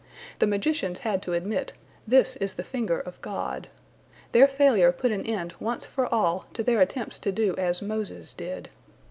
The magicians had to admit, "This is the finger of God." Their failure put an end once for all to their attempts to do as Moses did.